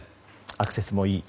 アクセスもいい。